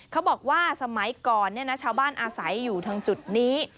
เขาบอกว่าสมัยก่อนชาวบ้านอาศัยอยู่ทางจุดนี้